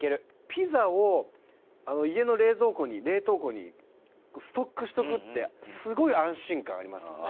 ピザを家の冷凍庫にストックしておくってすごい安心感ありますよね。